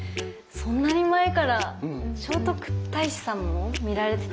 そんなに前から聖徳太子さんも見られてた。